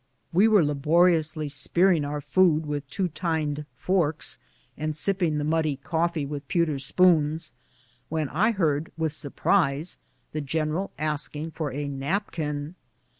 We were laboriously spearing our food with two tined forks, and sipping the muddy coffee with a pewter spoon, when I heard with surprise the general asking for a napkin.